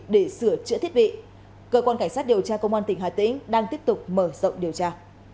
để sửa chữa thiết bị cơ quan cảnh sát điều tra công an tỉnh hà tĩnh đang tiếp tục mở rộng điều tra